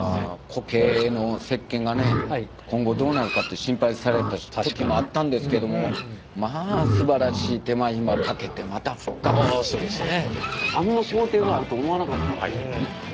固形の石けんがね今後どうなるかって心配された時もあったんですけどもまあすばらしいああそうですね。